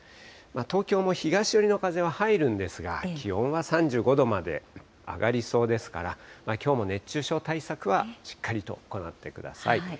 東京も東寄りの風は入るんですが、気温は３５度まで上がりそうですから、きょうも熱中症対策はしっかりと行ってください。